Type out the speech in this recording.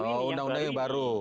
oh undang undang yang baru